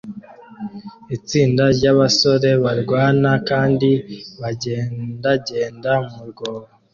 Itsinda ryabasore barwana kandi bagendera mu rwobo